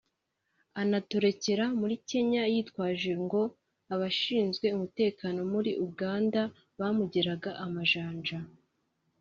anatorokera muri Kenya yitwaje ngo abashinzwe umutekano muri Uganda bamugeraga amajanja